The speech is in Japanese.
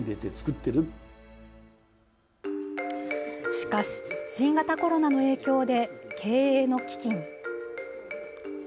しかし、新型コロナの影響で経営の危機に。